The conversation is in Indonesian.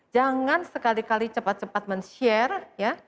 jangan sekali kali cepat cepat men share ya